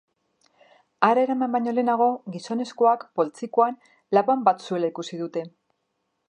Hara eraman baino lehenago gizonezkoak poltsikoan laban bat zuela ikusi dute.